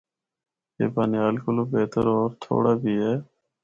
اے بانہال کولو بہتر ہور تھوڑا بھی اے۔